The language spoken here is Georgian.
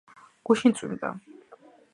გუშინ წვიმდა